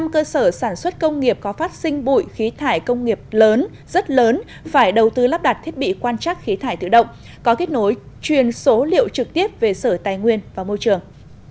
một trăm linh cơ sở sản xuất công nghiệp có phát sinh bụi khí thải công nghiệp lớn rất lớn phải đầu tư lắp đặt thiết bị quan trắc khí thải tự động có kết nối truyền số liệu trực tiếp về sở tài nguyên và môi trường